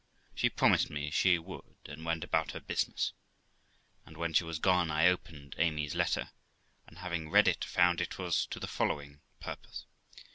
She promised me she would, and went about her business; and when 27 41 8 THE LIFE OF ROXANA she was gone, I opened Amy's letter, and having read it, found ft was to the following purpose, viz.